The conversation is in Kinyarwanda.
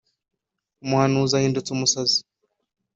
Umuhanuzi ahindutse umusazi,